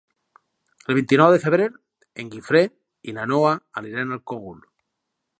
El vint-i-nou de febrer en Guifré i na Noa aniran al Cogul.